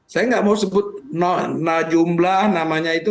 saya nggak mau sebut jumlah namanya itu